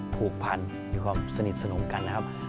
ผูกพันมีความสนิทสนมกันนะครับ